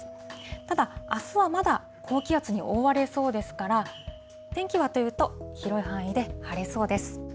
ただ、あすはまだ高気圧に覆われそうですから、天気はというと、広い範囲で晴れそうです。